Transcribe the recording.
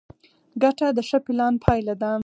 ګټه د ښه پلان پایله ده.